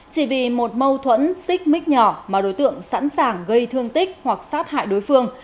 chỉ vì một mâu thuẫn xích mít nhỏ mà đối tượng sẵn sàng gây thương tích hoặc sát hại đối phương